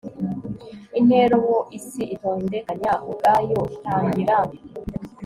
Intera uwo isi itondekanya ubwayo itangira